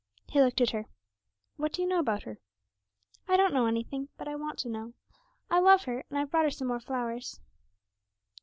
He looked at her. 'What do you know about her?' 'I don't know anything, but I want to know. I love her, and I've brought her some more flowers.'